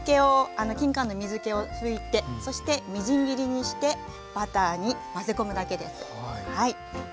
きんかんの水けを拭いてそしてみじん切りにしてバターに混ぜ込むだけです。